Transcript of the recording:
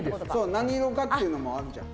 何色かっていうのもあるじゃん。